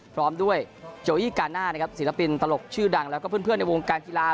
พร้อมด้วยโจอี้กาน่านะครับศิลปินตลกชื่อดังแล้วก็เพื่อนในวงการกีฬา